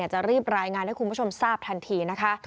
จะรีบรายงานให้คุณผู้ชมทราบทันทีนะคะ